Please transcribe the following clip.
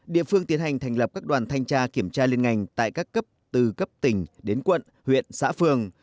địa phương tiến hành thành lập các đoàn thanh tra kiểm tra liên ngành tại các cấp từ cấp tỉnh đến quận huyện xã phường